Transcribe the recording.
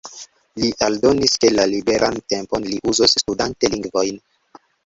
Li aldonis, ke la liberan tempon li uzos studante lingvojn.